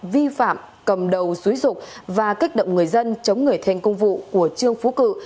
vi phạm cầm đầu xúi rụng và kích động người dân chống người thêm công vụ của trương phú cự